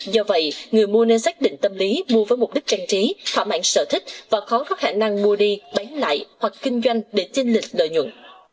do vậy người mua nên xác định tâm lý mua với mục đích trang trí phả mạng sở thích và có các hệ năng mua đi bán lại hoặc kinh doanh để chinh lịch lợi nhuận